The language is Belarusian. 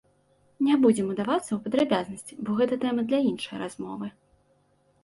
Не будзем удавацца ў падрабязнасці, бо гэта тэма для іншай размовы.